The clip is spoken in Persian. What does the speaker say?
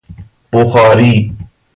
بخاری